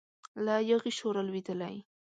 له یاغي شوره لویدلی